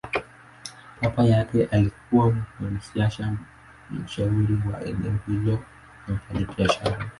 Baba yake alikuwa mwanasiasa mashuhuri wa eneo hilo na mfanyabiashara.